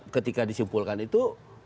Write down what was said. ketika disimpulkan itu